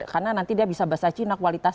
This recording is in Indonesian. karena nanti dia bisa bahasa cina kualitas